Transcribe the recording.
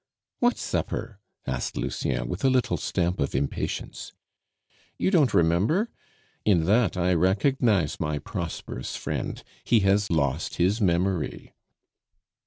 "What supper?" asked Lucien with a little stamp of impatience. "You don't remember? In that I recognize my prosperous friend; he has lost his memory."